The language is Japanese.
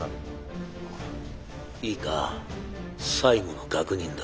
「いいか最後の確認だ」。